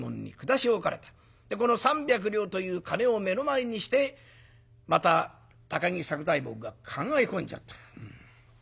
この三百両という金を目の前にしてまた高木作久左右衛門が考え込んじゃった。